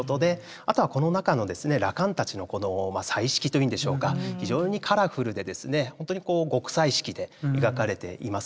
あとはこの中の羅漢たちのこの彩色というんでしょうか非常にカラフルでほんとに極彩色で描かれています。